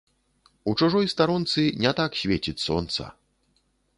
У чужой старонцы не так свеціць сонца